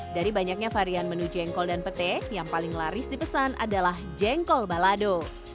dari banyaknya varian menu jengkol dan pete yang paling laris dipesan adalah jengkol balado